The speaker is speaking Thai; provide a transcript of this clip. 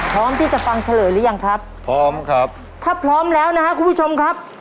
พร้อมที่จะฟังเฉลยหรือยังครับพร้อมครับถ้าพร้อมแล้วนะครับคุณผู้ชมครับ